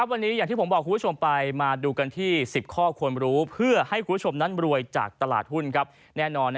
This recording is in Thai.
วันนี้อย่างที่ผมบอกคุณผู้ชมไปมาดูกันที่๑๐ข้อควรรู้เพื่อให้คุณผู้ชมนั้นรวยจากตลาดหุ้นแน่นอน